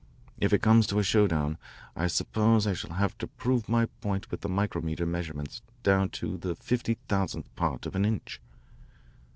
If it comes to a show down I suppose I shall have to prove my point with the micrometer measurements down to the fifty thousandth part of an inch.